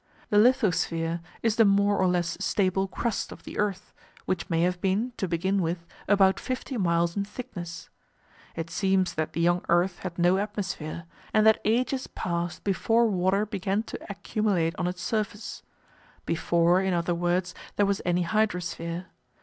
The lithosphere is the more or less stable crust of the earth, which may have been, to begin with, about fifty miles in thickness. It seems that the young earth had no atmosphere, and that ages passed before water began to accumulate on its surface before, in other words, there was any hydrosphere.